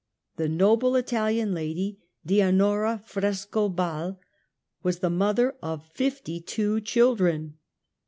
The noble Italian lady, Dianora Frescobalh, was the mother of fifty two children.